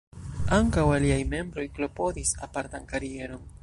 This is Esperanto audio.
Ankaŭ aliaj membroj klopodis apartan karieron.